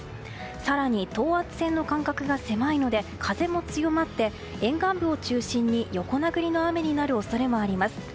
更に等圧線の間隔が狭いので風も強まって沿岸部を中心に横殴りの雨になる恐れもあります。